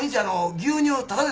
牛乳？